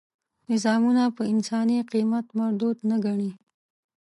نظامونه په انساني قیمت مردود نه ګڼي.